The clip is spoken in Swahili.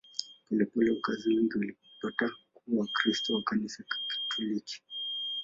Polepole wakazi wengi walipata kuwa Wakristo wa Kanisa Katoliki.